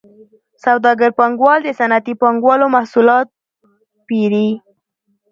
سوداګر پانګوال د صنعتي پانګوالو محصولات پېري